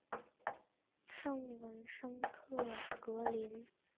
圣文森特和格林纳丁斯国徽为盾徽。